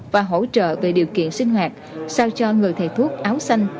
và hỗ trợ về điều kiện sinh hoạt sao cho người thầy thuốc áo xanh